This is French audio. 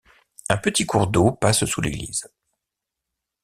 Un petit cours d'eau passe sous l'église.